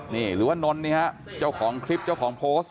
นี่หรือว่านนท์นี่ฮะเจ้าของคลิปเจ้าของโพสต์